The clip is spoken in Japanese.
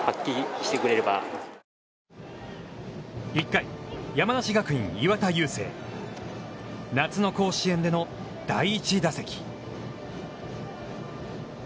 １回、山梨学院、岩田悠聖夏の甲子園での第１打席。